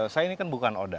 saya ini kan bukan oda